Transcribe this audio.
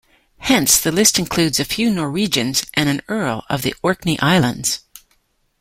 Hence the list includes a few Norwegians and an earl of the Orkney Islands.